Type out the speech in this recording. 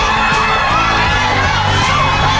รับทราบรับทราบ